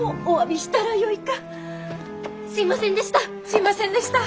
すいませんでした。